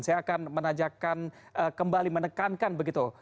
saya akan menajakan kembali menekankan begitu